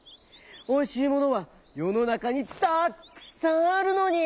おいしいものはよのなかにたっくさんあるのに！」。